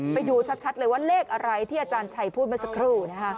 ไปดูชัดเลยว่าเลขอะไรที่อาจารย์ชัยพูดเมื่อสักครู่